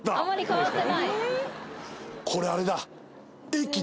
これあれだ駅だ。